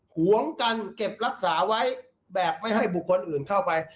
หวงกันเก็บรักษาไว้แบบไม่ให้บุคคลอื่นเข้าไป